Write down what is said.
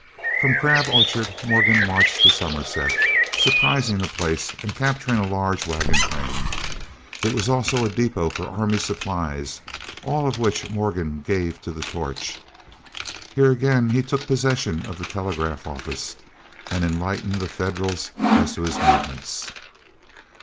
From Crab Orchard Morgan marched to Somerset, surprising the place, and capturing a large wagon train. It was also a depot for army supplies, all of which Morgan gave to the torch. Here he again took possession of the telegraph office, and enlightened the Federals as to his movements.